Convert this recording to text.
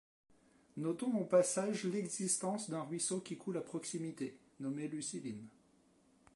Notons au passage l’existence d’un ruisseau qui coule à proximité, nommé Luciline.